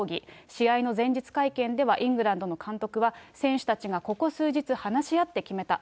試合の前日会見では、イングランドの監督は、選手たちがここ数日、話し合って決めた。